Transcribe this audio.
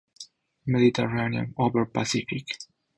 Mediterranean over Pacific.